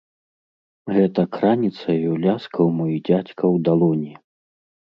Гэтак раніцаю ляскаў мой дзядзька ў далоні.